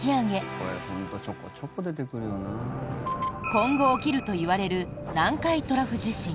今後起きるといわれる南海トラフ地震。